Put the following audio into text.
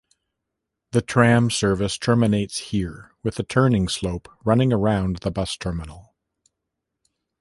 The tram service terminates here, with the turning slope running around the bus terminal.